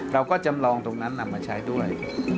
จำลองตรงนั้นนำมาใช้ด้วย